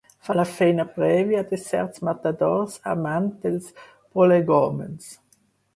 Fa la feina prèvia de certs matadors amants dels prolegòmens.